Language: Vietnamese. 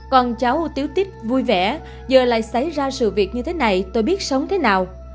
còn cháu tiếu tích vui vẻ giờ lại xảy ra sự việc như thế này tôi biết sống thế nào